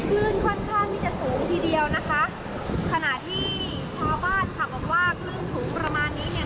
คลื่นค่อนข้างที่จะสูงทีเดียวนะคะขณะที่ชาวบ้านค่ะบอกว่าคลื่นสูงประมาณนี้เนี่ย